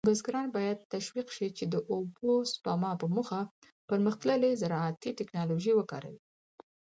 بزګران باید تشویق شي چې د اوبو سپما په موخه پرمختللې زراعتي تکنالوژي وکاروي.